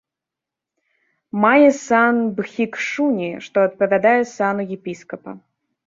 Мае сан бхікшуні, што адпавядае сану епіскапа.